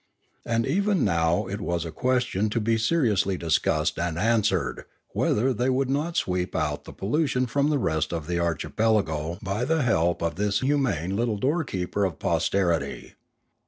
And even now it was a question to be seriously discussed and answered whether they would not sweep out the pollution from the rest of the archipelago by the help of this humane little doorkeeper of posterity.